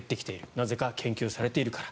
なぜか、研究されているから。